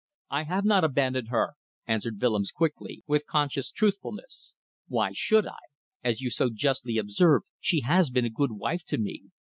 "I have not abandoned her," answered Willems, quickly, with conscious truthfulness. "Why should I? As you so justly observed, she has been a good wife to me.